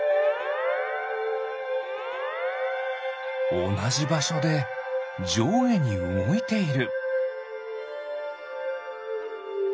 おなじばしょでじょうげにうごいている。